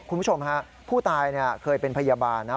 คุณผู้ชมฮะผู้ตายเนี่ยเคยเป็นพยาบาลนะ